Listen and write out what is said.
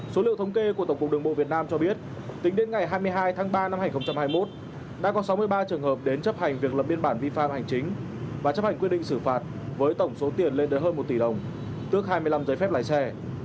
số liệu thống kê của tổng cục đường bộ việt nam cho biết tính đến ngày hai mươi hai tháng ba năm hai nghìn hai mươi một đã có sáu mươi ba trường hợp đến chấp hành việc lập biên bản vi phạm hành chính và chấp hành quyết định xử phạt với tổng số tiền lên tới hơn một tỷ đồng tước hai mươi năm giấy phép lái xe